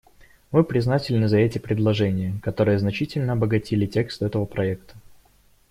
Мы признательны за эти предложения, которые значительно обогатили текст этого проекта.